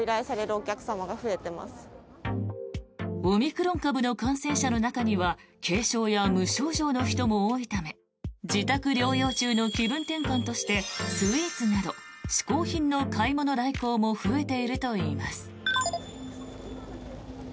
オミクロン株の感染者の中には軽症や無症状の人も多いため自宅療養中の気分転換としてスイーツなど嗜好品の買い物代行も増えているといいます。